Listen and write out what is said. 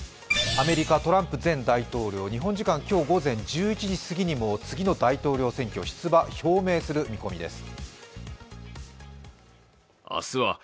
アメリカ・トランプ前大統領、日本時間今日午前１１時にも、次の大統領選挙出馬表明する見込みです。